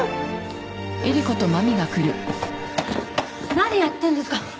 何やってんですか？